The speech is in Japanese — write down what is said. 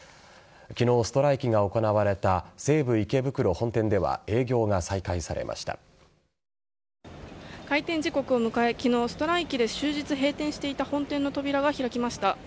昨日ストライキが行われた西武池袋本店では開店時刻を迎え昨日、ストライキで終日閉店していた本店の扉が開きました。